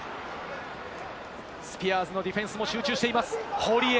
スピアーズのディフェンスも集中しています、堀江。